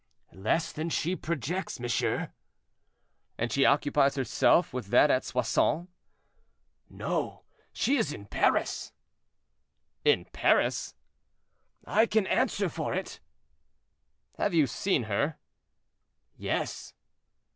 "Less than she projects, monsieur." "And she occupies herself with that at Soissons?" "No; she is in Paris." "In Paris!" "I can answer for it." "Have you seen her?" "Yes."